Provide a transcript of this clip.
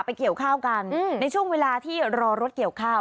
เกี่ยวข้าวกันในช่วงเวลาที่รอรถเกี่ยวข้าว